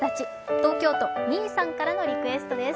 東京都・みさんからのリクエストです。